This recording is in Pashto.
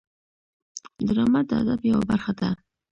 ډرامه د ادب یوه برخه ده